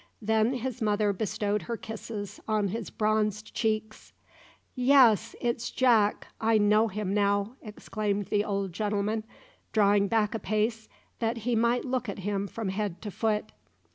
Then his mother bestowed her kisses on his bronzed cheeks. "Yes, it's Jack I know him now!" exclaimed the old gentleman, drawing back a pace, that he might look at him from head to foot.